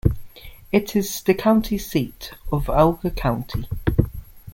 It is the county seat of Alger County.